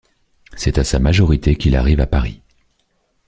C’est à sa majorité qu'il arrive à Paris.